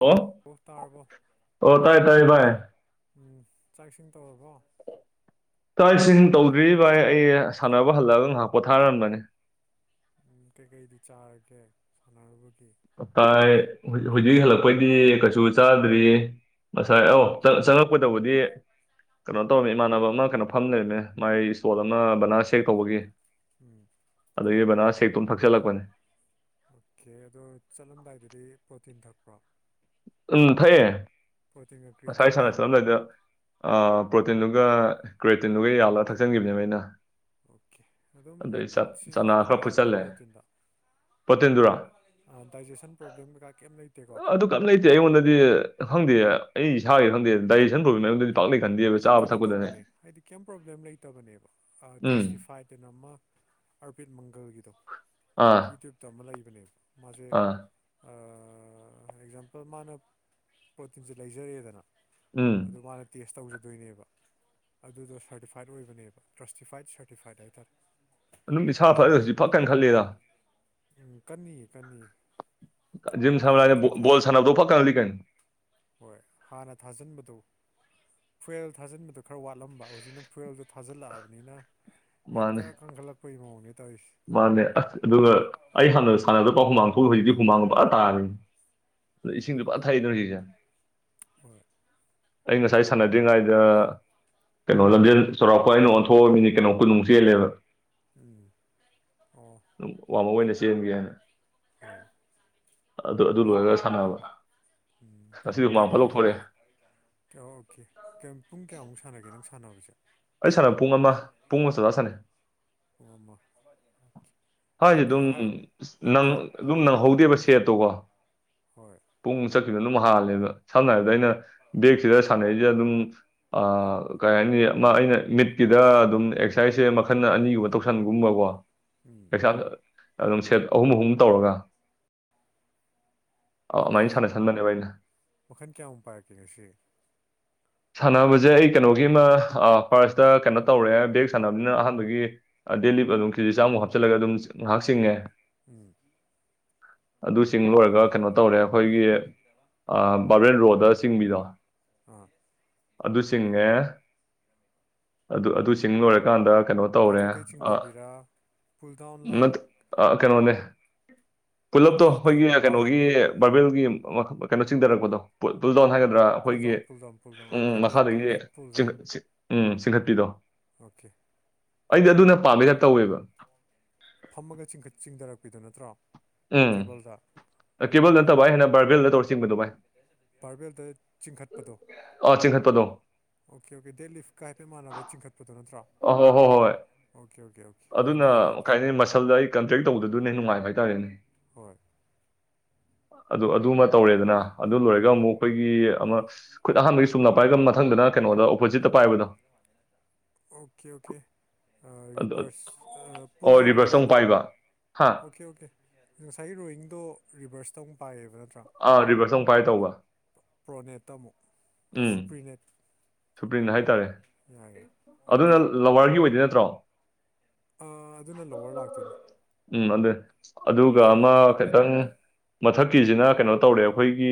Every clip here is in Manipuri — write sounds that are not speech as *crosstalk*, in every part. ꯍꯦꯜꯂꯣ ꯑꯣ ꯇꯥꯔꯕꯣ ꯑꯣ ꯇꯥꯏ ꯇꯥꯏ ꯚꯥꯏ ꯆꯥꯛꯁꯤꯡ ꯇꯧꯔꯕꯣ ꯇ꯭ꯔꯥꯏꯁꯤꯡ ꯇꯧꯗ꯭ꯔꯤ ꯚꯏ ꯑꯩ ꯁꯥꯟꯅꯕ ꯍꯜꯂꯑꯒ ꯉꯥꯏꯍꯥꯛ ꯄꯣꯊꯥꯔꯝꯕꯅꯤ ꯎꯝ ꯀꯩꯀꯩꯗꯤ ꯆꯥꯔꯒꯦ ꯁꯥꯟꯅꯔꯔꯕꯗꯤ ꯑ ꯇꯥꯏ ꯍꯧꯖꯤꯛ ꯍꯜꯂꯛꯄꯩꯗꯤ ꯀꯩꯁꯨ ꯆꯥꯗ꯭ꯔꯤ ꯉꯁꯥꯏ ꯑꯧ ꯆꯪꯂꯛꯄꯗꯕꯨꯗꯤ ꯀꯩꯅꯣ ꯇꯧꯔꯝꯃꯦ ꯏꯃꯥꯟꯅꯕ ꯑꯃ ꯀꯩꯅꯣ ꯐꯝ ꯂꯩꯔꯝꯃꯦ ꯃꯥꯏ ꯏꯁꯇꯣꯜ ꯑꯃ ꯕꯅꯥꯁ ꯁꯦꯛ ꯇꯧꯕꯒꯤ ꯎꯝ ꯑꯗꯨꯒꯤꯕꯅꯥ ꯁꯦꯛꯇꯣꯝ ꯊꯛꯆꯤꯜꯂꯛꯄꯅꯦ ꯑꯣꯀꯦ ꯑꯗꯣ ꯆꯠꯂꯝꯗꯥꯏꯗꯗꯤ ꯄ꯭ꯔꯣꯇꯤꯟ ꯊꯛꯄ꯭ꯔꯣ ꯎꯝ ꯐꯩꯌꯦ ꯄ꯭ꯔꯣꯇꯤꯟꯒ ꯉꯁꯥꯏ ꯀ꯭ꯔꯤꯌꯦꯇꯤꯟꯒ ꯁꯥꯟꯅ ꯆꯠꯂꯝꯗꯥꯏꯗ ꯄ꯭ꯔꯣꯇꯤꯟꯗꯨꯒꯤ ꯑꯗꯨꯒ ꯀ꯭ꯔꯦꯇꯤꯟꯗꯨꯒ ꯌꯥꯜꯂꯒ ꯊꯛꯆꯟꯈꯤꯕꯅꯦꯕ ꯑꯩꯅ ꯑꯣꯀꯦ ꯑꯗꯨꯝ ꯑꯗꯨꯗ ꯆ ꯆꯅꯥ ꯁꯤꯖꯤꯟꯅꯕ ꯈꯔ ꯐꯣꯏꯁꯦ ꯅꯨꯡꯉꯥꯏꯕ꯭ꯔꯥ ꯄ꯭ꯔꯣꯇꯤꯟꯗꯣ ꯗꯥꯏꯖꯦꯁꯟ ꯄ꯭ꯔꯣꯕ꯭ꯂꯦꯝ ꯀꯩꯀꯥ ꯀꯩꯝ ꯂꯩꯇꯦꯀꯣ ꯑꯗꯨ ꯀꯔꯤꯝ ꯂꯩꯇꯦ ꯑꯩꯉꯣꯟꯗꯗꯤ ꯈꯪꯗꯦ ꯑꯩ ꯏꯁꯥꯒꯤ ꯈꯪꯗꯦ ꯗꯥꯏꯖꯦꯁꯟ ꯄ꯭ꯔꯣꯕꯂꯦꯝꯗꯗꯤ ꯀꯩꯅꯣ ꯇꯧꯕꯅꯦ ꯍꯥꯏꯗꯤ ꯀꯌꯥꯝ ꯄ꯭ꯔꯣꯕ꯭ꯂꯦꯝ ꯂꯩꯇꯕꯅꯦꯕ ꯎꯝ ꯇ꯭ꯔꯁꯇꯤꯐꯥꯏꯠ ꯀꯩꯅꯣ ꯑꯃ ꯑꯥꯔꯕꯤꯠ ꯃꯪꯒꯜꯒꯤꯗꯣ ꯑꯥ ꯌꯨꯇ꯭ꯌꯨꯕꯇ ꯑꯃ ꯂꯩꯕ ꯃꯥꯦ ꯑꯥ ꯑꯦꯛꯖꯥꯝꯄꯜ ꯃꯥꯅ ꯄꯣꯇꯤꯟꯁꯦ ꯂꯩꯖꯔꯦꯗꯅ ꯎꯝ ꯑꯗꯨ ꯃꯥꯅ ꯇꯦꯁ ꯇꯧꯖ ꯑꯗꯨꯣꯏꯅꯦꯕ ꯑꯗꯨꯗꯣ ꯁꯔꯇꯤꯐꯥꯏꯠ ꯑꯣꯏꯕꯅꯦꯕ ꯇ꯭ꯔꯁꯇꯤꯐꯥꯏꯠ ꯁꯔꯇꯤꯐꯥꯏꯠ ꯍꯥꯏꯇꯥꯔꯦ ꯑꯗꯨꯝ ꯏꯁꯥ ꯐꯠ ꯍꯧꯖꯤꯛ ꯐꯛꯀꯅ ꯈꯜꯂꯦꯗ ꯎꯝ ꯀꯑ ꯀꯑꯌꯦ ꯖꯤꯝ ꯁꯂꯣ ꯣꯜ ꯁꯥꯟꯅꯕꯗꯣ ꯄ ꯐꯥꯀꯅ ꯂꯤꯀꯅꯤ ꯍꯣꯏ ꯍꯥꯟꯅ ꯊꯥꯖꯤꯟꯕꯗꯨ ꯐꯌꯦꯦꯜ ꯊꯥꯖꯤꯟꯕꯗꯣ ꯈꯔ ꯋꯥꯠꯂꯝꯕ ꯍꯧꯖꯤꯛꯅ ꯐꯨꯔꯌꯦꯦꯜꯗꯣ ꯊꯥꯖꯤꯜꯂꯛꯑꯕꯅꯤꯅ ꯃꯥꯅꯦ ꯍꯛꯇ ꯈꯪ ꯈꯦꯜꯂꯛꯄꯅꯤ ꯇ ꯃꯥꯅꯦ ꯑꯁ ꯑꯗꯨꯒ ꯑꯩ ꯍꯥꯟꯅ ꯁꯥꯟꯅꯗꯄꯥ ꯍꯨꯃꯥꯡ ꯊꯣꯛ ꯍꯧꯖꯤꯛꯇꯤ ꯍꯨꯃꯥꯡꯕ ꯑ ꯇꯥꯔꯅꯤ ꯏꯁꯤꯡ ꯎꯝ ꯂꯨꯄꯥ ꯊꯥꯗꯧ ꯁꯤꯁꯦ ꯍꯣꯏ ꯑꯩ ꯉꯁꯥꯏ ꯁꯥꯟꯅꯗ꯭ꯔꯤꯉꯩꯗ ꯀꯩꯅꯣ ꯂꯝꯖꯦꯜ ꯆꯥꯎꯔꯥꯛꯄꯣꯏ ꯑꯩꯅ ꯑꯣꯟꯊꯣꯛꯑꯃꯤꯅꯤ ꯀꯩꯅꯣ ꯀꯨꯅꯨꯡ ꯆꯦꯜꯂꯦꯕ ꯎꯝ ꯑꯣ ꯋꯥꯃ ꯑꯣꯏꯅ ꯆꯟꯒꯦ ꯍꯥꯏꯅ ꯍꯣꯏꯣꯏ ꯑꯗꯨ ꯑꯗꯨ ꯂꯣꯏꯔꯒ ꯁꯥꯟꯅꯕ ꯉꯁꯤꯗꯤ ꯑꯗꯣ ꯃꯃꯥꯡ ꯐ ꯍꯥꯏ ꯂꯧꯊꯣꯔꯑꯦ ꯑꯣꯀꯦ ꯄꯨꯡ ꯀꯌꯥꯃꯨꯛ ꯁꯥꯟꯅꯒꯦ ꯅꯪ ꯁꯥꯟꯅꯕꯁꯦ ꯑꯩ ꯄꯨꯡ ꯑꯃ ꯍꯥꯏꯗꯤ ꯑꯗꯨ ꯑꯗꯨꯝ ꯍꯥꯏ ꯀꯩ ꯑꯗꯨꯝ ꯅꯪꯍꯧꯗꯦꯕ ꯁꯦꯠꯇꯣꯒ ꯍꯣꯏ ꯄꯨꯡ ꯆ ꯀꯩꯅꯣ ꯑꯗꯨꯝ ꯍꯥꯜꯂꯦꯗ ꯁꯝꯅ ꯍꯥꯏꯔꯕꯗ ꯑꯩꯅ ꯕꯦꯛꯁꯤꯗ ꯁꯥꯟꯅꯔꯤꯁꯦ ꯑꯗꯨꯝ ꯀꯩ ꯍꯥꯏꯅꯤ ꯑꯩꯅ ꯃꯤꯠꯀꯤꯗ ꯑꯗꯨꯝ ꯑꯦꯛꯁꯔꯁꯥꯏꯁꯁꯦ ꯃꯈꯜ ꯑꯅꯤꯒꯨꯝꯕ ꯇꯧꯁꯟꯒꯨꯝꯕꯀꯣ ꯎꯝ ꯑꯦꯛꯖꯥꯝ ꯑꯗꯨꯝ ꯁꯦꯠ ꯑꯍꯨꯝ ꯑꯍꯨꯝ ꯇꯧꯔꯒ ꯑꯗꯨꯃꯥꯏꯅ ꯑꯣꯀꯦ ꯁꯥꯟꯅꯁꯟꯕꯅꯦꯕ ꯑꯩꯅ ꯃꯈꯜ ꯀꯌꯥꯃꯨꯛ ꯄꯥꯔꯛꯀꯦ ꯉꯁꯤ ꯁꯥꯟꯅꯕꯁꯦ ꯑꯩ ꯀꯩꯅꯣꯒꯤꯃ ꯐꯥꯔꯁꯇ ꯀꯩꯅꯣ ꯇꯧꯔꯦ ꯕꯦꯦꯛ ꯁꯥꯟꯅꯕꯅꯤꯅ ꯑꯍꯥꯟꯕꯒꯤ ꯗꯦꯂꯤ ꯑꯗꯨꯝ ꯀꯦꯖꯤ ꯆꯥꯝꯃꯨꯛ ꯍꯥꯞꯆꯤꯜꯂꯒ ꯑꯗꯨꯝ ꯉꯍꯥꯛꯁꯤꯡꯉ ꯎꯝ ꯑꯗꯨꯁꯤꯡ ꯂꯣꯏꯔꯒ ꯀꯩꯅꯣ ꯇꯧꯔꯦ ꯑꯩꯈꯣꯏꯒꯤ ꯕꯥꯕꯔꯦꯟ ꯔꯣꯗ ꯆꯤꯡꯕꯤꯗꯣ ꯎꯝ ꯑꯗꯨꯁꯤꯡꯉꯦ ꯑꯗꯨ ꯑꯗꯨꯁꯤꯡ ꯂꯣꯏꯔꯀꯥꯟꯗ ꯀꯩꯅꯣ ꯇꯧꯔꯦ ꯃꯊꯛꯇꯩ ꯑ ꯆꯤꯡꯗꯕꯤꯔꯥ ꯄꯨꯜ ꯗꯥꯎꯟꯂ ꯅ ꯀꯩꯅꯣꯅꯦ ꯄꯨꯂꯞꯇꯣ ꯑꯣꯀꯦ ꯑꯣꯀꯦ ꯑꯩꯈꯣꯏꯒꯤ ꯕꯥꯔ ꯀꯩꯅꯣꯒꯤ ꯕꯥꯔꯕꯦꯜꯒꯤ ꯀꯩꯅꯣ ꯆꯤꯡꯊꯔꯛꯄꯗꯣꯜꯗꯥꯎ ꯍꯥꯏꯒꯗ ꯅ꯭ꯔꯥ ꯄꯨꯜ ꯗꯥꯎꯟ ꯑꯩꯈꯣꯏꯒꯤ pull down pull down okay ꯎꯝ ꯂꯦꯠ ꯃꯈꯥꯗꯒꯤ ꯂꯦꯠ ꯄꯨꯜ ꯗꯥꯎꯟ ꯎꯝ ꯆꯤꯡꯈꯠꯄꯤꯗꯣ ꯑꯣꯀꯦ ꯑꯩꯗꯤ ꯑꯗꯨꯅ ꯄꯥꯝꯕꯩꯗ ꯇꯧꯋꯦꯕ ꯐꯝꯃꯒ ꯆꯤꯡꯊꯔꯛꯄꯤꯗꯨꯣ ꯅꯠꯇ꯭ꯔꯣ ꯀꯦꯕꯜꯗ ꯎꯝ ꯀꯦꯕꯜ ꯅꯠꯇꯕ ꯚꯥꯏ ꯍꯦꯟꯅ ꯕꯥꯔꯒꯜꯗ ꯇꯧꯔ ꯆꯤꯡꯕꯗꯨꯣ ꯚꯥꯏ ꯄꯥꯔꯕꯦꯜꯗ ꯆꯤꯡꯈꯠꯄꯗꯣ ꯑꯥ ꯆꯤꯡꯈꯠꯄꯗꯣ ꯑꯣꯀꯦ ꯑꯣꯀꯦ ꯗꯦꯠ ꯂꯤꯐ ꯀ ꯍꯥꯏꯐꯦꯠ ꯃꯥꯟꯅꯕ ꯆꯤꯡꯈꯠꯄꯗꯣ ꯅꯠꯇ꯭ꯔꯣ ꯑ ꯍꯣꯏ ꯍꯣꯏ ꯍꯣꯏ ꯑꯣꯀꯦ ꯑꯣꯀꯦ ꯑꯣꯀꯦ ꯑꯗꯨꯅ ꯑꯗꯨ ꯌꯥꯏ ꯑꯗꯨ ꯀꯥꯏꯅꯤ ꯃꯁꯜꯗ ꯑꯩ ꯀꯟꯇꯦꯛ ꯇꯧꯕꯗꯗꯨꯅꯦ ꯅꯨꯡꯉꯥꯏꯕ ꯍꯥꯏꯇꯥꯔꯦꯅꯦ ꯍꯣꯏ ꯑꯗꯨ ꯑꯗꯨꯃ ꯇꯧꯔꯦꯗꯅ ꯑꯗꯨ ꯂꯣꯏꯔꯒ ꯎꯝ ꯑꯃꯨꯛ ꯑꯩꯈꯣꯏꯒꯤ ꯑꯃ ꯈꯨꯠ ꯑꯍꯥꯟꯕꯒꯤ ꯆꯨꯝꯅ ꯄꯥꯏꯒ ꯃꯊꯪꯗꯅ ꯀꯩꯅꯣꯗ ꯑꯣꯄꯣꯖꯤꯠꯇ ꯄꯥꯏꯕꯗꯣ ꯑꯣꯀꯦ ꯑꯣꯀꯦ ꯑꯗꯨ ꯔꯤꯚꯔꯁ ꯑꯣ ꯄꯨꯜ ꯗꯥꯎꯟꯗꯣ ꯔꯤꯚꯔꯁꯇ ꯑꯃꯨꯛ ꯀꯩꯅꯣ ꯄꯥꯏꯕ ꯍꯥ ꯑꯣꯀꯦ ꯑꯣꯀꯦ ꯉꯁꯥꯏꯒꯤ ꯔꯣꯋꯤꯡꯗꯣ ꯔꯤꯚꯔꯁ ꯇꯧꯨ ꯄꯥꯏꯌꯦꯕ ꯅ ꯑꯥ ꯔꯤꯚꯔꯁ ꯑꯃꯨꯛ ꯄꯥꯏ ꯇꯧꯕ ꯄ꯭ꯔꯣꯅꯦꯠꯇ ꯑꯃꯨꯛ ꯎꯝ ꯁꯨꯄ꯭ꯔꯤꯅꯦꯠ ꯁꯨꯄ꯭ꯔꯤꯟ ꯍꯥꯏꯇꯥꯔꯦ ꯌꯥꯏ ꯌꯥꯏ ꯑꯣꯀꯦ ꯑꯗꯨꯅ ꯂꯋꯥꯔꯒꯤ ꯑꯣꯏꯗꯣꯏ ꯅꯠꯇ꯭ꯔꯣ ꯑꯗꯨꯅ ꯂꯣꯋꯔ ꯂꯥꯛꯇꯣꯏꯅꯤ ꯎꯝ ꯑꯗꯨ ꯑꯗꯨꯒ ꯑꯃ ꯑꯃꯗꯨꯅ ꯃꯤꯠ ꯈꯤꯇꯪ ꯃꯊꯛꯀꯤꯁꯤꯅ ꯀꯩꯅꯣ ꯇꯧꯔꯦ ꯑꯩꯈꯣꯏꯒꯤ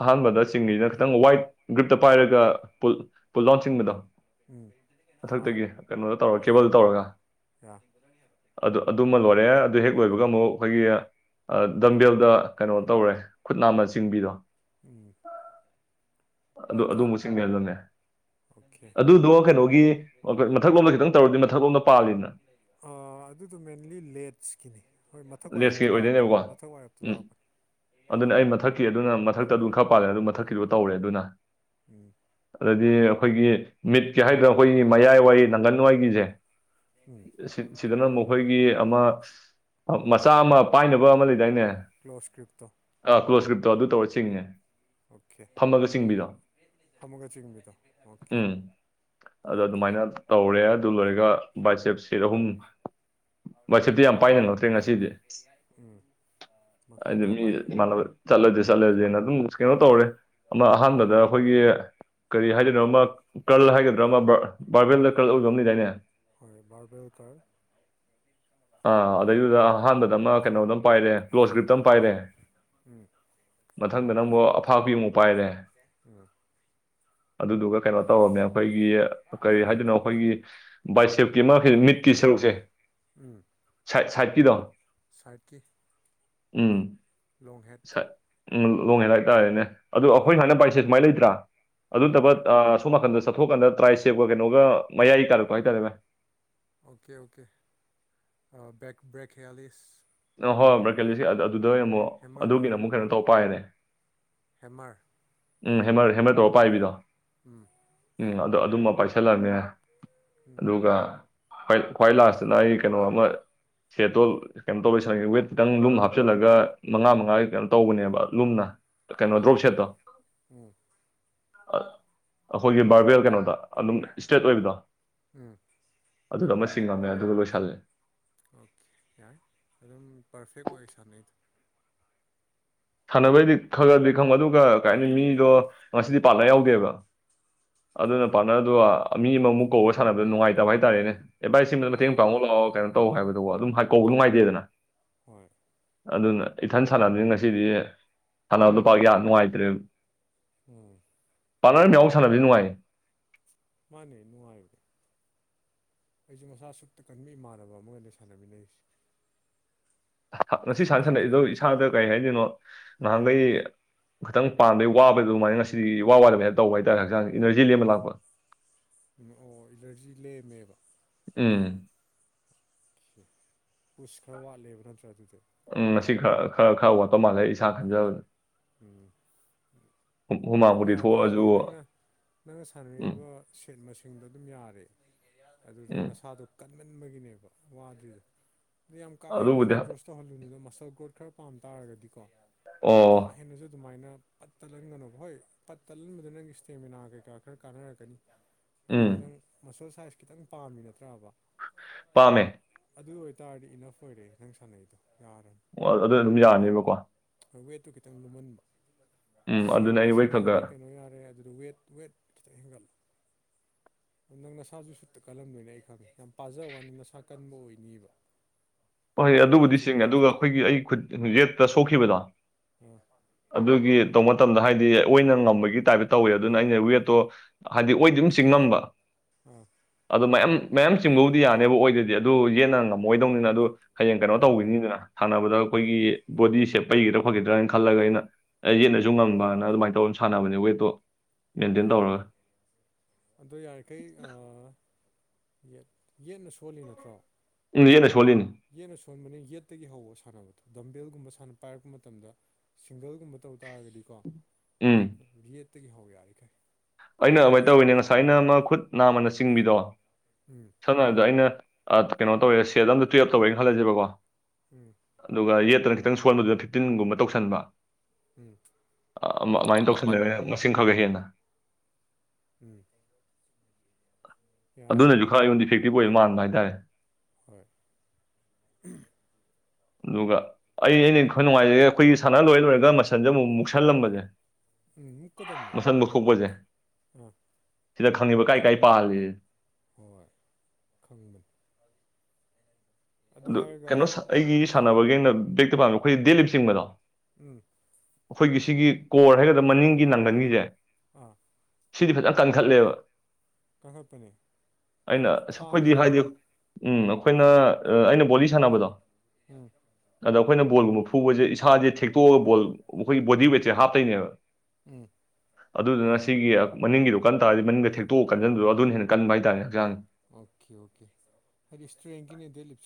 ꯑꯍꯥꯟꯕꯗ ꯆꯤꯡꯉꯅ ꯈꯤꯇꯪ ꯋꯥꯏꯠ ꯒ꯭ꯔꯤꯨꯞꯇ ꯄꯥꯏꯔꯒ ꯄꯨ ꯂꯥꯎꯟ ꯆꯤꯡꯕꯗꯣ ꯎꯝ ꯑꯥ ꯃꯊꯛꯇꯒꯤ ꯀꯩꯅꯣꯗ ꯇꯧꯔꯒ ꯌꯥ ꯀꯦꯕꯜꯗ ꯇꯧꯔꯒ ꯌꯥ ꯑꯗꯨ ꯑꯗꯨꯃ ꯂꯣꯏꯔꯦ ꯑꯗꯨ ꯍꯦꯛ ꯂꯣꯏꯕꯒ ꯑꯃꯨꯛ ꯑꯩꯈꯣꯏꯒꯤ ꯗꯝꯕꯦꯜꯗ ꯀꯩꯅꯣ ꯇꯧꯔꯦ ꯈꯨꯠꯅꯥꯃ ꯆꯤꯡꯕꯤꯗꯣ *unintelligible* ꯑꯗꯨ ꯑꯣꯀꯦ ꯑꯗꯨꯝꯕꯁꯤꯡꯅꯦ ꯑꯗꯨꯝꯅꯦ ꯑꯣꯀꯦ ꯑꯗꯨꯗꯣ ꯀꯩꯅꯣꯒꯤ ꯃꯊꯛ ꯂꯣꯝꯗ ꯈꯤꯇꯪ ꯇꯧꯔꯗꯤ ꯃꯊꯛ ꯂꯣꯝꯗ ꯑ ꯑꯗꯨꯗꯣ ꯃꯦꯟꯂꯤ ꯂꯦꯠꯁꯀꯤꯅꯤ ꯍꯣꯏ ꯃꯊꯛ ꯋꯥꯏꯔꯞꯇ ꯂꯥꯛꯄꯅꯤ ꯃꯊꯛ ꯋꯥꯏꯔꯞꯇ ꯂꯥꯛꯄꯅꯤ ꯑꯗꯨꯅꯦ ꯑꯩ ꯃꯊꯛꯀꯤ ꯑꯗꯨꯅ ꯃꯊꯛꯇ ꯑꯗꯨꯝ ꯈꯔ ꯄꯥꯜꯂꯦꯅ ꯑꯗꯨꯝ ꯃꯊꯛꯀꯤꯗꯣ ꯇꯧꯔꯦ ꯑꯗꯨꯅ ꯎꯝ ꯑꯗꯗꯤ ꯑꯩꯈꯣꯏꯒꯤ ꯃꯤꯠꯀꯤ ꯍꯥꯏꯗ꯭ꯔꯥ ꯑꯩꯈꯣꯏꯒꯤ ꯃꯌꯥꯏ ꯋꯥꯏ ꯅꯪꯒꯟ ꯋꯥꯏꯒꯤꯁꯦ ꯁꯤꯗꯅ ꯃꯈꯣꯏꯒꯤ ꯑꯃ ꯃꯆꯥ ꯑꯃ ꯄꯥꯏꯅꯕ ꯑꯃ ꯂꯩꯗꯥꯏꯅꯦ ꯀ꯭ꯂꯣꯁ ꯏꯁꯀ꯭ꯔꯤꯞꯇꯣ ꯑ ꯀ꯭ꯂꯣꯁꯀ꯭ꯔꯤꯞꯇꯣ ꯑꯗꯨ ꯇꯧꯔ ꯆꯁꯤꯡꯅꯦ ꯑꯣꯀꯦ ꯍ ꯃꯒ ꯆꯒꯨꯝꯕꯤꯗꯣ ꯑꯣꯦ ꯑꯗ ꯑꯗꯨꯃꯥꯏꯅ ꯇꯧꯔꯦ ꯑꯗꯨ ꯂꯣꯏꯔꯒ ꯋꯥꯕꯥꯏꯆꯦꯞ ꯁꯤꯦꯠ ꯑꯍꯨꯝ ꯋꯥꯕꯥꯏꯆꯦꯞꯇꯤ ꯌꯥꯝ ꯄꯥꯏ ꯍꯪꯉꯛꯇ꯭ꯔꯦ ꯉꯁꯤꯗꯤ ꯎꯝ ꯑ ꯃꯈꯜ ꯀꯌꯥ ꯃꯤ ꯄꯥꯏꯔꯛꯑꯦ ꯃ ꯆꯂꯗ ꯆꯂꯗꯅ ꯑꯗꯨꯝ ꯁ꯭ꯀꯦꯅꯣ ꯇꯧꯔꯦ ꯑꯃ ꯑꯍꯥꯟꯕꯗ ꯑꯩꯈꯣꯏꯒꯤ ꯀꯔꯤ ꯍꯥꯏꯗꯣꯏꯅꯣ ꯑꯃ ꯀꯜ ꯍꯥꯏꯒꯗ꯭ꯔꯥ ꯑꯃ ꯕꯥꯔꯕꯦꯜꯗ ꯀꯜ ꯑꯣꯏꯗꯕꯅꯤꯗꯥꯏꯅꯦ ꯍꯣꯏ ꯔꯕꯔ ꯑꯣ ꯇꯔ ꯑꯗꯨꯗ ꯑꯍꯥꯟꯕꯗ ꯑꯃ ꯀꯩꯅꯣꯗ ꯑꯃ ꯄꯥꯏꯔꯦ ꯀ꯭ꯂꯣ ꯏꯁꯀ꯭ꯔꯤꯞꯇ ꯑꯃ ꯄꯥꯏꯔꯦ ꯃꯊꯪꯗ ꯅꯪꯕꯨ ꯑꯐꯥꯄꯤ ꯑꯃꯨꯛ ꯄꯥꯏꯔꯦ ꯎꯝ ꯑꯗꯨꯗꯨꯒ ꯀꯩꯅꯣ ꯇꯧꯔꯕꯃꯦ ꯑꯩꯈꯣꯏꯒꯤ ꯀꯔꯤ ꯍꯥꯏꯗꯅꯣ ꯑꯩꯈꯣꯏꯒꯤ ꯕꯥꯏꯁꯦꯞꯀꯤ ꯑꯃ ꯃꯤꯠꯀꯤ ꯁꯔꯨ ꯐꯪꯁꯦ ꯎꯝ ꯁꯥꯏꯤꯗꯣ ꯁꯥꯔꯇꯀꯤ ꯎꯝ ꯂꯣꯡꯍꯦꯠ ꯁꯥꯏꯠ ꯎꯝ ꯂꯣꯡꯉꯦ ꯍꯥꯏꯇꯥꯔꯦꯅꯦ ꯑꯗꯣ ꯑꯩꯈꯣꯏ ꯍꯥꯏꯅ ꯕꯥꯏꯛꯁꯦꯠ ꯁꯨꯃꯥꯏꯅ ꯂꯩꯇ꯭ꯔꯥ ꯑꯗꯨ ꯎꯝ ꯅꯠꯇꯕ ꯁꯣꯝ ꯅꯥꯀꯟꯗ ꯆꯠꯊꯣꯛꯀꯥꯟꯗ ꯇ꯭ꯔꯥꯏ ꯁꯦꯞꯀ ꯀꯩꯅꯣꯒ ꯃꯌꯥꯏ ꯀꯥꯔꯛꯄ ꯍꯥꯏꯇꯥꯔꯦ ꯃꯚ ꯑꯣꯀꯦ ꯑꯣꯀꯦ ꯭ꯔꯦꯛꯦꯛ ꯍ ꯌꯥꯂꯤꯁ ꯑ ꯍꯣꯏ ꯕ꯭ꯔꯀꯦꯂꯤꯁꯦ ꯑꯗꯨꯗ ꯑꯣꯏꯅ ꯑꯃꯨꯛ ꯍꯦꯃꯔ ꯑꯗꯨꯒꯤꯅ ꯀꯔꯜ ꯑꯃꯨꯛ ꯀꯩꯅꯣ ꯇꯧꯕ ꯄꯥꯏꯌꯦꯅꯦ ꯍꯦꯃꯔ ꯎꯝ ꯍꯦꯃꯔ ꯍꯦꯃꯔ ꯇꯧꯔ ꯄꯥꯏ ꯏꯕꯤꯗꯣ ꯎꯝ ꯎꯝ ꯑ ꯑꯗꯨꯃ ꯄꯥꯏꯁꯤꯜꯂꯃꯦ ꯑꯗꯨꯒ ꯈ꯭ꯋꯥꯏ ꯂꯥꯁꯇ ꯂꯥꯏꯔꯤ ꯀꯩꯅꯣ ꯑꯃ ꯁꯦꯇꯣꯜ ꯀꯩꯅꯣ ꯇꯧꯔꯦ ꯋꯦꯠ ꯈꯤꯇꯪ ꯂꯨꯝ ꯍꯥꯞꯆꯤꯜꯂꯒ ꯃꯉꯥ ꯃꯉꯥꯒꯤ ꯀꯩꯅꯣ ꯇꯧꯕꯅꯦꯕ ꯂꯨꯝꯅ ꯀꯩꯅꯣ ꯎꯝ ꯗ꯭ꯔꯣꯕꯁꯦꯠ ꯎꯝ ꯑꯩꯈꯣꯏꯒꯤ ꯕꯥꯔꯕꯦꯜ ꯀꯩꯅꯣꯗ ꯑꯗꯨꯝ ꯏꯁꯇ꯭ꯔꯦꯠ ꯑꯣꯏꯕꯗꯣ ꯎꯝ ꯑꯗꯨꯗ ꯑꯃ ꯆꯤꯡꯉꯥꯝꯃꯦ ꯑꯗꯨꯒ ꯂꯣꯏꯁꯜꯂꯦ ꯑꯣꯀꯦ ꯌꯥꯔꯦ ꯑꯗꯨꯝ ꯄꯔꯐꯦꯛ ꯑꯣꯏ ꯁꯥꯟꯅꯩꯗ ꯁꯥꯟꯅꯕꯩꯗꯤ ꯈꯔꯗꯤ ꯈꯪꯕ ꯑꯗꯨꯒ ꯀꯩ ꯍꯥꯏꯅꯤ ꯃꯤꯗꯣ ꯉꯁꯤꯗꯤ ꯄꯥꯠꯅꯂ ꯌꯥꯎꯗꯦꯕ ꯑꯗꯨꯅ ꯄꯥꯠꯅꯔꯗꯨ ꯃꯤ ꯑꯃꯃꯨꯛ ꯀꯧꯕ ꯁꯥꯟꯅꯕꯗ ꯅꯨꯡꯉꯥꯏꯇꯕ ꯍꯥꯏꯇꯥꯔꯦꯅꯦ ꯚꯥꯏꯁ ꯁꯤꯃꯗ ꯃꯥ ꯃꯇꯦꯡ ꯄꯥꯡꯉꯣ ꯂꯥꯛꯑꯣ ꯀꯩꯅꯣ ꯇꯧ ꯍꯥꯏꯕꯗꯨꯕ ꯑꯗꯨꯝ ꯍꯥꯏ ꯀꯧꯕ ꯅꯨꯡꯉꯥꯏꯇꯦꯗꯅ ꯍꯣꯏ ꯑꯗꯨꯅ ꯏꯊꯟ ꯁꯥꯟꯅꯕꯗꯨꯅꯤ ꯉꯁꯤꯗꯤ ꯁꯥꯟꯅꯕꯗꯨꯣ ꯄꯥꯛ ꯌꯥꯝ ꯅꯨꯡꯉꯥꯏꯇ꯭ꯔꯦ ꯎꯝ ꯄꯥꯂꯔ ꯃꯦꯌꯥꯝ ꯁꯥꯟꯅꯕꯗꯤ ꯅꯨꯡꯉꯥꯏ ꯃꯥꯅꯦ ꯅꯨꯅꯨꯡ ꯍꯥꯏꯗ ꯑꯩꯁꯨ ꯃꯁꯥ ꯁꯨꯞꯛꯇ ꯀꯟꯕ ꯏꯃꯥꯟꯅꯕ ꯑꯃꯒ ꯂꯩ ꯁꯥꯟꯅꯃꯤꯟꯅꯩꯁꯦ ꯊꯤ ꯉꯁꯤ ꯁꯥꯟꯅ ꯁꯥꯟꯅꯛꯏꯗꯣ ꯀꯟꯖꯥꯠꯅꯤ ꯃꯁꯦ ꯏꯁꯥꯗ ꯀꯔꯤ ꯍꯥꯏꯗꯣꯏꯅꯣ ꯅꯍꯥꯟꯈꯩ ꯈꯤꯇꯪ ꯄꯥꯟꯕꯩ ꯋꯥꯕꯗꯨ ꯑꯗꯨꯃꯥꯏꯅ ꯉꯁꯤꯗꯤ ꯏꯋꯥ ꯋꯥꯗꯕ ꯍꯦꯅ ꯇꯧꯕ ꯍꯥꯏꯇꯥꯔꯦ ꯍꯛꯆꯥꯡ ꯏꯅꯔꯖꯤ ꯂꯦꯝꯃ ꯂꯥꯛꯄ ꯑꯣ ꯢꯅꯔꯖꯤ ꯂꯦꯝꯃꯦꯕ ꯎꯝ ꯑꯣ ꯄꯨꯁ ꯈꯔ ꯋꯥꯠꯂꯦꯕ ꯅꯠꯇ꯭ꯔꯥ ꯑꯗꯨꯗꯤ ꯎꯝ ꯉꯁꯤ ꯈꯔ ꯈꯔ ꯈꯔ ꯋꯥꯠꯕ ꯃꯥꯜꯂꯦ ꯑꯩꯁꯥꯅ ꯈꯟꯖꯕꯗ ꯎꯝ ꯑꯗꯨꯝ ꯍꯨꯃꯥꯡꯕꯨꯗꯤ ꯌꯥꯗꯤ ꯌꯥꯔꯦ ꯊꯣꯛꯑꯁꯨ ꯅꯪꯅ ꯅꯪꯅ ꯎꯝ ꯁꯥꯟꯅꯔꯤꯕ ꯁꯦꯠ ꯃꯁꯤꯡꯗꯣ ꯑꯗꯨꯝ ꯌꯥꯔꯦ ꯑꯗꯨꯗ ꯅꯁꯥꯗꯣ ꯀꯟꯃꯟꯕꯒꯤꯅꯦꯕ ꯋꯥꯗꯔꯤꯗꯣ ꯌꯥꯝ ꯀꯥ ꯍꯦꯟꯅꯁꯨ ꯑꯗꯨꯕꯨꯗꯤ ꯍ- ꯑꯦꯛꯖꯣꯁ ꯇꯧꯍꯜꯂꯨꯅꯤꯗꯣ ꯃꯁꯜ ꯒ꯭ꯔꯣꯠ ꯈꯔ ꯄꯥꯝ ꯇꯥꯔꯒꯗꯤ ꯀꯣ ꯀꯥ ꯑꯣ ꯍꯦꯟꯅꯁꯨ ꯑꯗꯨꯃꯥꯏꯅ ꯄꯠ ꯇꯠꯍꯟꯒꯅꯣꯕ ꯍꯣꯏ ꯄꯠ ꯇꯠꯍꯟꯕꯗꯨ ꯅꯪꯒꯤ ꯏꯁꯇꯦꯃꯤꯅꯥ ꯀꯩꯀꯥ ꯈꯔ ꯀꯥꯟꯅꯔꯛꯀꯅꯤ ꯑꯗꯣ ꯎꯝ ꯈꯤꯇꯪ ꯃꯁꯜ ꯁꯥꯏꯖ ꯈꯤꯇꯪ ꯄꯥꯝꯃꯤ ꯅꯠꯇ꯭ꯔꯕ ꯄꯥꯝꯃꯦ ꯑꯗꯨ ꯑꯣꯏꯇꯥꯔꯗꯤ ꯏꯅꯐ ꯑꯣꯏꯔꯦ ꯅꯪ ꯁꯥꯟꯅꯩꯗꯣ ꯌꯥꯔꯦ ꯑꯗꯨ ꯑꯗꯨꯝ ꯌꯥꯅꯦꯕꯀꯣ ꯋꯦꯠꯇꯨ ꯈꯤꯇꯪ ꯂꯨꯝꯍꯟꯕ ꯎꯝ ꯁꯦꯠ ꯑꯗꯨꯅ ꯑꯩ ꯃꯁꯤꯡ ꯋꯦꯠ ꯌꯥꯔꯦ ꯈꯒ ꯀꯩꯅꯣ ꯌꯥꯔꯦ ꯑꯗꯨ ꯑꯗꯨ ꯋꯦꯠ ꯋꯦꯠ ꯈꯤꯇꯪ ꯍꯦꯟꯒꯠꯂꯨ ꯅꯪ ꯅꯁꯥꯁꯨ ꯁꯨꯠꯇ ꯀꯜꯂꯝꯗꯣꯏꯅ ꯑꯩ ꯈꯪꯉꯦ ꯌꯥꯝ ꯄꯥꯖꯕꯩ ꯋꯥꯅꯤ ꯅꯁꯥ ꯀꯟꯕ ꯑꯣꯏꯅꯤꯕ ꯍꯣꯢ ꯅꯪꯒꯤ ꯑꯗꯨꯕꯨꯗꯤ ꯆꯦꯡꯉꯦ ꯑꯗꯨꯒ ꯖꯦꯅꯦꯇꯤꯛꯁꯇ ꯑꯩꯈꯣꯏꯒꯤ ꯑꯩꯪ ꯈꯨꯠ ꯖꯦꯠꯇ ꯁꯣꯛꯈꯤꯕꯗꯣ ꯑꯥ ꯑꯗꯨꯒꯤ ꯇꯧꯕ ꯃꯇꯝꯗ ꯍꯥꯏꯗꯤ ꯑꯣꯏꯅ ꯉꯝꯕꯒꯤ ꯇꯥꯏꯞꯇ ꯇꯧꯋꯦ ꯑꯗꯨꯅ ꯑꯩꯅ ꯋꯦꯠꯇꯣ ꯍꯥꯏꯗꯤ ꯑꯣꯏꯗꯤ ꯑꯗꯨꯝ ꯆꯤꯡꯉꯝꯕ ꯎꯝ ꯑꯗꯣ ꯃꯌꯥꯝ ꯃꯌꯥꯝ ꯆꯤꯡꯕꯕꯨꯗꯤ ꯌꯥꯅꯦꯕ ꯑꯣꯏꯗꯗꯤ ꯑꯗꯨ ꯌꯦꯠꯟꯅ ꯉꯝꯃꯣꯏꯗꯧꯅꯤꯅ ꯑꯗꯨ ꯍꯌꯦꯡ ꯀꯩꯅꯣ ꯎꯝ ꯇꯧꯈꯤꯅꯤꯗꯅ ꯊꯥꯅꯕꯗ ꯎꯝ ꯑꯩꯈꯣꯏꯒꯤ ꯕꯣꯗꯤꯁꯦ ꯄꯩꯒꯤꯗ꯭ꯔꯥ ꯈꯣꯠꯈꯤꯗ꯭ꯔꯅ ꯈꯜꯂꯒ ꯑꯩꯅ ꯑꯩ ꯌꯦꯠꯅꯁꯨ ꯎꯝ ꯉꯪꯕꯅ ꯑꯗꯨꯃꯥꯏꯅ ꯇꯧꯔ ꯁꯥꯟꯅꯕꯅꯦ ꯋꯦꯠꯇꯣ ꯃꯦꯟꯇꯦꯟ ꯇꯧꯔꯒ ꯑ ꯌꯥꯔꯤꯈꯩ ꯌꯦꯠꯅ ꯁꯣꯜꯂꯤ ꯅꯠꯇ꯭ꯔꯣ ꯎꯝ ꯌꯦꯠꯅ ꯁꯣꯜꯂꯤꯅꯤ ꯌꯦꯠꯅ ꯁꯣꯟꯕꯅꯤꯅ ꯌꯦꯠꯇꯒꯤ ꯍꯧꯕ ꯁꯥꯟꯅꯕꯗꯣ ꯗꯝꯕꯦꯜꯒꯨꯝꯕ ꯁꯥꯟꯅ ꯄꯥꯏꯔꯛꯄ ꯃꯇꯝꯗ ꯁꯤꯡꯒꯜꯒꯨꯝꯕ ꯇꯧ ꯇꯥꯔꯒꯗꯤꯀꯣ ꯎꯝ ꯌꯦꯠꯇꯒꯤ ꯍꯧ ꯌꯥꯔꯤ ꯉꯩ ꯑꯩꯅ ꯑꯗꯨꯃꯥꯏꯅ ꯇꯧꯋꯤꯅꯦ ꯉꯁꯥꯏꯅ ꯃꯥ ꯈꯨꯠ ꯅꯥꯝꯃꯅ ꯆꯤꯡꯕꯤꯗꯣ ꯎꯝ ꯁꯝꯅ ꯍꯥꯏꯔꯕꯗ ꯑꯩꯅ ꯀꯩꯅꯣ ꯇꯧꯋꯦ ꯁꯦꯠ ꯑꯝꯗ ꯇꯨꯌꯦꯞ ꯇꯧꯋꯦꯅ ꯈꯜꯂꯁꯦꯕꯀꯣ ꯎꯝ ꯑꯗꯨꯒ ꯌꯦꯠ ꯈꯤꯇꯪꯕꯗꯨ ꯐꯤꯇꯤꯟꯒꯨꯝꯕ ꯇꯧ ꯈ ꯎꯝ ꯊꯣꯛꯒ ꯍꯦꯅ ꯎꯝ ꯌꯥꯏ ꯑꯗꯨꯅꯁꯨ ꯈꯔ ꯑꯩꯉꯣꯟꯗ ꯏꯐꯦꯛꯇꯤꯕ ꯑꯣꯏꯅ ꯃꯥꯟꯕ ꯍꯥꯏꯇꯥꯔꯦ ꯍꯣꯏ ꯑꯗꯨꯒ ꯑꯩ ꯑꯩꯅ ꯈꯔ ꯅꯨꯡꯉꯥꯏꯖꯒꯦ ꯑꯩꯈꯣꯏꯒꯤ ꯁꯥꯟꯅ ꯂꯣꯏꯔ ꯂꯣꯏꯔꯒ ꯃꯁꯟꯁꯦ ꯑꯃꯨꯛ ꯃꯨꯛꯁꯜꯂꯝꯕꯅꯦꯦ ꯎꯝ ꯃꯨꯀꯗꯝꯅꯤ ꯑ ꯁꯤꯗ ꯈꯪꯉꯤꯕ ꯀꯥꯏ ꯀꯥꯏ ꯄꯥꯜꯂꯤ ꯍꯣꯏ ꯈꯪꯕꯅꯤ ꯑꯗꯨ ꯀꯩꯅꯣ ꯑꯩꯒꯤ ꯁꯥꯟꯅꯕꯒꯤꯡꯅ ꯕ꯭ꯔꯦꯛꯇ ꯄꯥꯒ ꯑꯩꯈꯣꯏꯦ ꯗꯦꯂꯤꯆꯤꯡꯕꯗꯣ ꯎꯝ ꯑꯩꯈꯣꯏꯒꯤ ꯁꯤꯒꯤ ꯀꯣꯔ ꯍꯥꯏꯒꯗ꯭ꯔꯥ ꯃꯅꯤꯡꯒꯤ ꯅꯥꯒꯟꯒꯤꯁꯦ ꯑ ꯁꯤꯗꯤ ꯐꯖꯅ ꯀꯟꯈꯠꯂꯦꯕ ꯀꯟꯈꯠꯄꯅꯦ ꯑꯩꯅ ꯃꯅꯤꯡꯒꯤ ꯑꯁ ꯈ꯭ꯋꯥꯡ ꯑꯩꯈꯣꯏꯗꯤ ꯍꯥꯏꯗꯤ ꯖꯒꯥꯗꯣ ꯎꯝ ꯑꯩꯈꯣꯏꯅ ꯑꯩꯅ ꯕꯣꯂꯤ ꯁꯥꯟꯅꯕꯗꯣ ꯎꯝ ꯑꯗꯣ ꯑꯈꯣꯏꯅ ꯕꯣꯜꯒꯕ ꯐꯨꯕꯁꯦ ꯏꯁꯥꯁꯦ ꯊꯦꯛꯇꯣꯛꯑꯒ ꯕꯣꯜ ꯑꯩꯈꯣꯏꯒꯤ ꯕꯣꯗꯤ ꯋꯦꯠꯁꯦ ꯍꯥꯞꯇꯣꯏꯅꯦꯕ ꯎꯝ ꯑꯗꯨꯗꯨꯅ ꯁꯤꯒꯤ ꯃꯅꯤꯡꯒꯤꯗꯣ ꯀꯟ ꯇꯔꯗꯤ ꯃꯅꯤꯡꯒ ꯊꯦꯛꯇꯣꯛꯑ ꯀꯀꯟꯁꯤꯟꯕ ꯑꯗꯨꯅ ꯍꯦꯟꯅ ꯀꯟꯕ ꯍꯥꯏꯇꯥꯔꯦ ꯍꯛꯆꯥꯡꯁꯦ ꯑꯣꯀꯦ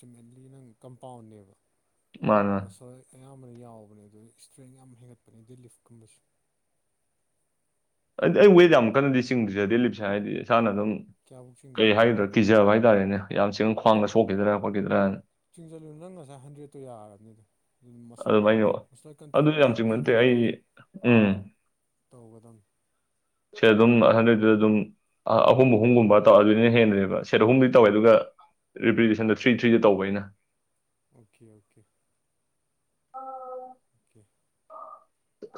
ꯑꯜꯇꯤꯃꯦꯠꯂꯤ ꯅꯪ ꯀꯝꯄꯥꯎꯟꯅꯦꯕ ꯃꯥꯅꯦ ꯃꯥꯅꯦ ꯃꯁꯣꯏ ꯑꯌꯥꯝꯕꯅ ꯌꯥꯎꯕꯅꯦ ꯑꯗꯨ ꯏꯁꯇ꯭ꯔꯦꯡ ꯌꯥꯝ ꯍꯦꯟꯒꯠꯄꯅꯤ ꯗꯗꯤ ꯂꯤꯐꯀꯨꯝꯕꯁ ꯍꯥꯏꯗꯤ ꯑꯩ ꯋꯦꯠ ꯌꯥꯝ ꯀꯟꯅꯗꯤ ꯆꯤꯡꯗꯖꯗꯤ ꯂꯤꯞꯁꯦ ꯍꯥꯏꯗꯤ ꯏꯁꯥꯅ ꯑꯗꯨꯝ ꯀꯌꯥꯐꯧ ꯆꯤꯡꯒꯦ ꯀꯩ ꯍꯥꯏꯒꯗ꯭ꯔꯥ ꯀꯤꯖꯕ ꯍꯥꯏꯥ ꯍꯥꯏꯇꯥꯔꯦꯅꯦ ꯌꯥꯝ ꯆꯦꯡꯅ ꯈ꯭ꯋꯥꯡꯗ ꯁꯣꯛꯈꯤꯗ꯭ꯔꯥ ꯈꯣꯠꯈꯤꯗ꯭ꯔꯅ ꯆꯤꯡꯁꯤꯜꯂꯨ ꯅꯪ ꯉꯁꯥꯏ ꯍꯟꯗ꯭ꯔꯦꯠꯇꯣ ꯌꯥꯔꯅꯤꯗ ꯑꯗꯨꯃꯥꯏꯅ ꯑꯗꯨ ꯌꯥꯝ ꯆꯤꯡꯕ ꯅꯠꯇꯦ ꯑꯩ ꯎꯝ ꯇꯧꯒꯗꯕ ꯁꯤ ꯑꯗꯨꯝ ꯍꯟꯗꯗꯨꯗ ꯑꯗꯨꯝ ꯑ ꯑꯍꯨꯝ ꯑꯍꯨꯝꯒꯨꯝꯕ ꯇꯧ ꯑꯗꯨꯅ ꯍꯦꯟꯟꯅꯅꯦꯕ ꯁꯦꯠ ꯑꯍꯨꯝꯗꯤ ꯇꯧꯋꯦ ꯑꯗꯨꯒ ꯔꯤꯄꯤꯇꯦꯁꯟꯗ ꯊ꯭ꯔꯤ ꯊ꯭ꯔꯤꯗ ꯇꯧꯕ ꯑꯩꯅ ꯑꯣꯀꯦ ꯑꯣꯀꯦ ꯑꯣꯀꯦ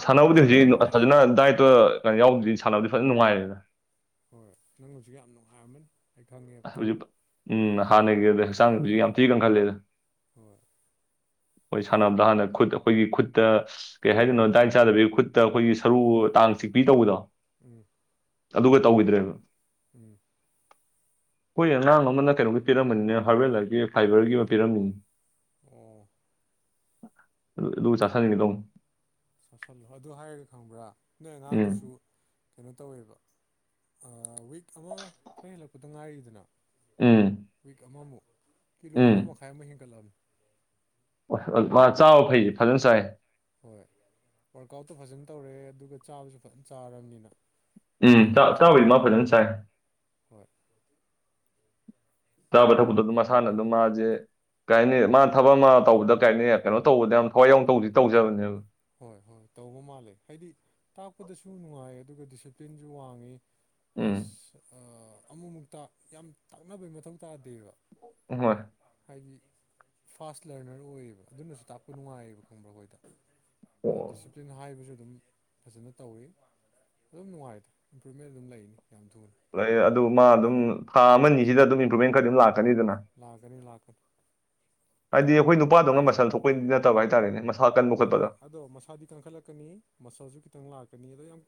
ꯁꯥꯟꯅꯕꯕꯨꯗꯤ ꯊ꯭ꯔꯤ ꯍꯧꯖꯤꯛ ꯐꯖꯅ ꯗꯥꯏꯠꯇꯣ ꯀꯩꯅꯣ ꯌꯥꯎꯗ꯭ ꯁꯥꯟꯅꯕꯗꯤ ꯐꯖꯅ ꯅꯨꯡꯉꯥꯏꯔꯦꯗ ꯍꯣꯏꯣꯏ ꯅꯪ ꯍꯧꯖꯤꯛ ꯌꯥꯝ ꯅꯨꯡꯉꯥꯏꯔꯝꯃꯅꯤ ꯑꯩ ꯈꯪꯉꯦꯕ ꯍꯧꯖꯤꯛ ꯎꯝ ꯍꯥꯟꯅꯒꯤ ꯑꯗ ꯍꯛꯆꯥꯡꯗꯁꯨ ꯌꯥꯝ ꯊꯤꯅ ꯀꯟꯈꯜꯂꯦꯗ ꯍꯣꯏ ꯍꯣꯏ ꯁꯥꯟꯅꯕꯗ ꯍꯥꯟꯅ ꯈꯨꯠ ꯑꯩꯈꯣꯏꯒꯤ ꯈꯨꯠꯇ ꯀꯩ ꯍꯥꯏꯗꯣꯏꯅꯣ ꯗꯥꯏꯟ ꯆꯥꯗꯕꯤꯒꯤ ꯈꯨꯠꯇ ꯑꯩꯈꯣꯏꯒꯤ ꯁꯔꯨ ꯇꯥꯡ ꯆꯤꯛꯄ꯭ꯔꯤ ꯇꯧꯕꯗꯣ ꯎꯝ ꯑꯗꯨꯒ ꯇꯧꯈꯤꯗ꯭ꯔꯦꯕ ꯎꯝ ꯍꯣꯏ ꯑꯉꯥꯡ ꯑꯃꯅ ꯀꯩꯅꯣꯒꯤ ꯄꯤꯔꯝꯕꯅꯤꯅꯦ ꯍꯥꯋꯦꯜꯂꯔꯒꯤ ꯐꯥꯏꯕꯔꯒꯤ ꯑꯃ ꯄꯤꯔꯝꯃꯤꯅꯤ ꯎꯝ ꯑꯗꯨ ꯑꯗꯨ ꯆꯥꯅꯤꯡꯅꯤꯗꯣ ꯆꯣꯁꯤꯜꯂꯣ ꯑꯗꯨ ꯍꯥꯏꯔꯒ ꯈꯪꯕ꯭ꯔꯥ ꯅꯣꯏ ꯎꯝ ꯑꯉꯥꯡꯗꯨꯁꯨ ꯀꯩꯅꯣ ꯇꯧꯋꯦꯕ ꯋꯤꯛ ꯑꯃ ꯐꯣꯏ ꯍꯦꯜꯂꯛꯄꯗ ꯉꯥꯏꯔꯤꯗꯅ ꯎꯝ ꯋꯤꯛ ꯑꯃꯃꯨꯛ ꯀꯤꯂꯣ ꯑꯃ ꯃꯈꯥꯏ ꯑꯃ ꯍꯦꯟꯒꯠꯂꯃꯤ ꯍ ꯃꯥ ꯆꯥꯕ ꯐꯩꯁꯦ ꯐꯖꯅ ꯆꯥꯏ ꯍꯣꯏ ꯋꯥꯔꯛ ꯑꯥꯎꯠꯇꯣ ꯐꯖꯅ ꯇꯧꯔꯦ ꯑꯗꯨꯒ ꯆꯥꯕꯁꯨ ꯐꯖ ꯆꯥꯔꯕꯅꯤꯅ ꯎꯝ ꯑꯗꯨꯝ ꯏꯝꯄ꯭ꯔꯨꯚꯃꯦꯟ ꯆꯥꯕꯗꯤ ꯃꯥ ꯂꯩꯔꯤꯗꯣ ꯐꯖꯅ ꯁꯥꯏ ꯍꯣꯏ ꯆꯥꯕ ꯊꯛꯄꯗꯣ ꯑꯗꯨꯝ ꯃꯁꯥꯅ ꯑꯗꯨꯝ ꯃꯥꯁꯦ ꯀꯩꯅꯤ ꯃꯥ ꯊꯕꯛ ꯑꯃ ꯇꯧꯕꯗ ꯀꯥꯏꯅꯤ ꯀꯩꯅꯣ ꯇꯧꯕꯗ ꯌꯥꯝ ꯊꯋꯥꯏ ꯌꯥꯎꯅ ꯇꯧꯗꯤ ꯇꯧꯖꯕꯅꯦꯕ ꯍꯣꯏ ꯍꯣꯏ ꯇꯧꯕ ꯃꯥꯜꯂꯦ ꯍꯥꯏꯗꯤ ꯇꯥꯛꯄꯗꯁꯨ ꯅꯨꯡꯉꯥꯏ ꯑꯗꯨꯒ ꯗꯤꯁꯤꯄ꯭ꯂꯤꯟꯁꯨ ꯋꯥꯡꯉꯤ ꯎꯝ ꯄ꯭ꯂꯁ ꯑꯃꯨꯛꯃꯨꯛꯇ ꯌꯥꯝ ꯇꯥꯛꯅꯕꯩ ꯃꯊꯧ ꯇꯥꯗꯦꯕ ꯎꯣꯏ ꯍꯥꯏꯗꯤ ꯐꯥꯁ ꯂꯔꯅꯔ ꯑꯣꯏꯌꯦꯕ ꯑꯗꯨꯅꯁꯨ ꯇꯥꯛꯄ ꯅꯨꯡꯉꯥꯏꯌꯦꯕ ꯈꯪꯕ꯭ꯔꯥ ꯍꯣꯏꯗ ꯗꯤꯁꯤꯄ꯭ꯂꯤꯟ ꯍꯥꯏꯕꯁꯨ ꯑꯗꯨꯝ ꯐꯖꯅ ꯇꯧꯋꯤ ꯑꯗꯨꯝ ꯅꯨꯡꯉꯥꯏꯗ ꯏꯝꯄ꯭ꯔꯨꯚꯃꯦꯟ ꯑꯗꯨꯝ ꯂꯩꯅꯤ ꯌꯥꯝ ꯊꯨꯅ ꯑꯗꯨ ꯃꯥ ꯑꯗꯨꯝ ꯊꯥ ‌ꯑꯃꯅꯤꯁꯤꯗ ꯑꯗꯨꯝ ꯏꯝꯄ꯭ꯔꯨꯚꯃꯦꯟ ꯈꯔ ꯑꯗꯨꯝ ꯂꯥꯛꯀꯦ ꯂꯥꯛꯀꯅꯤ ꯂꯥꯛꯀꯅꯤ ꯍꯥꯏꯗꯤ ꯑꯩꯈꯣꯏ ꯅꯨꯄꯥꯗꯧꯅ ꯗꯃꯥ ꯑꯃ ꯃꯁꯟ ꯂꯥꯛꯀꯅꯤ ꯊꯣꯛꯄꯩꯗꯤ ꯅꯠꯇꯕ ꯍꯥꯏꯇꯥꯔꯦꯅꯦ ꯃꯁꯥ ꯀꯟꯕ ꯍꯣꯏ ꯈꯣꯠꯄꯗ ꯑꯁꯁꯨ ꯈꯤꯇꯪ ꯂꯥꯛꯀꯅꯤ ꯑꯗꯣ ꯌꯥꯝ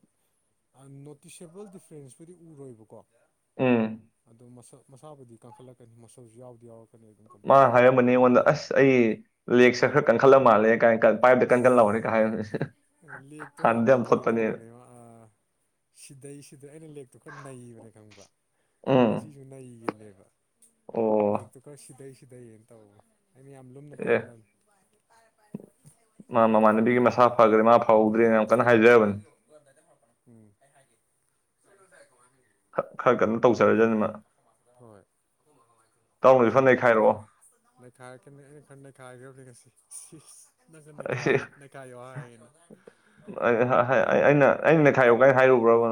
ꯅꯣꯇꯤꯁꯦꯕꯜ ꯗꯤꯐ꯭ꯔꯦꯟꯁꯄꯨꯗꯤ ꯎꯔꯣꯏꯕꯀꯣ ꯎꯝ ꯑꯗꯨ ꯃꯁ ꯃꯁꯥꯕꯨꯗꯤ ꯀꯟꯈꯠꯂꯛꯀꯅꯤ ꯃꯁꯧꯁꯨ ꯌꯥꯎꯗꯤ ꯌꯥꯎꯔꯛ ꯃꯥ ꯍꯥꯏꯔꯝꯕꯅꯤ ꯑꯩꯉꯣꯟꯗ ꯑꯁ ꯑꯩ ꯂꯦꯛꯁ ꯈꯔ ꯀꯟꯈꯠꯂ ꯃꯥꯜꯂꯦ ꯀꯥꯏꯅ ꯄꯥꯏꯞ ꯀꯟꯍꯔꯦꯒ ꯍꯥꯏ ꯂꯦꯛꯇꯣ ꯌꯥꯝꯅ ꯀꯩꯅꯣ ꯇꯧꯕꯅꯦꯕ ꯑ ꯁꯤꯗꯩ ꯁꯤꯗ ꯑꯩꯅ ꯂꯦꯛꯇꯨ ꯈꯔ ꯅꯩꯕꯅꯦ ꯈꯪꯕ ꯎꯝ ꯉꯁꯤꯁꯨ ꯅꯩꯈꯤꯕꯅꯦꯕ ꯑꯣ ꯂꯦꯛꯇꯨ ꯈꯔ ꯁꯤꯗꯩ ꯁꯤꯗꯩꯌꯦꯅ ꯇꯧ ꯑꯩꯅ ꯌꯥꯝ ꯂꯨꯝꯅꯕ ꯑꯦ ꯍꯦꯟꯗꯜ ꯃꯥ ꯃꯃꯥꯟꯅꯕꯤꯒꯤ ꯃꯁꯥ ꯐꯈ꯭ꯔꯦ ꯃꯥ ꯐꯍꯧꯗ꯭ꯔꯦꯅ ꯀꯟꯅ ꯍꯥꯏꯖꯕꯅꯤ ꯎꯝ ꯈꯔ ꯀꯟꯅꯣ ꯇꯧꯖꯔꯖꯅꯤꯃ ꯍꯣꯏ ꯈꯔ ꯌꯥꯝꯅ ꯅꯩꯈꯥꯏꯔꯛꯑꯣ ꯊꯋꯥꯏ ꯅꯩꯈꯥꯏꯔꯛꯀꯅꯤ ꯑꯩꯅ ꯈꯔ ꯅꯩꯈꯥꯏꯈ꯭ꯔꯕꯅꯤ ꯉꯁꯤ ꯅꯪꯒ ꯅꯩꯈꯥꯏ ꯏꯁꯩ ꯅꯩꯈꯥꯏꯌꯣ ꯍꯥꯏꯌꯦꯅ ꯑꯩꯅ ꯑꯩꯅ ꯅꯩꯈꯥꯏꯔꯨ ꯀꯥꯏꯅ ꯍꯥꯏꯔꯨ ꯎꯔꯕꯣ